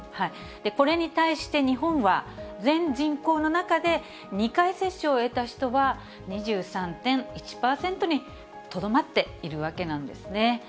これに対して、日本は全人口の中で２回接種を終えた人は２３．１％にとどまっているわけなんですね。